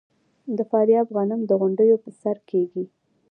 د فاریاب غنم د غونډیو په سر کیږي.